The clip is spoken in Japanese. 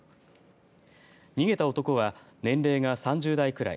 逃げた男は年齢が３０代くらい。